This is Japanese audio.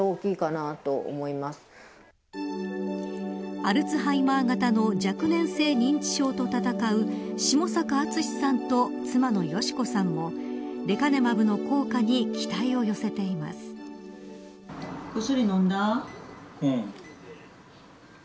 アルツハイマー型の若年性認知症と闘う下坂厚さんと妻の佳子さんもレカネマブの効果に期待を寄せています。